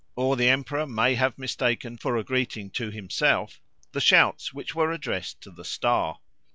Or the emperor may have mistaken for a greeting to himself the shouts which were addressed to the star.